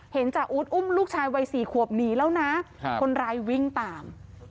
จ่าอู๊ดอุ้มลูกชายวัย๔ขวบหนีแล้วนะคนร้ายวิ่งตาม